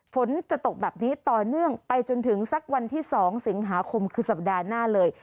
ฝนจะตกแบบนี้ต่อเนื่องไปจนถึงสักวันที่๒สิงหาคมคือสัปดาห์หน้าเลย